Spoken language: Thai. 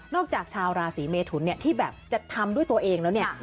นอกจากชาวราศีเมทุนที่จะทำด้วยตัวเองแล้ว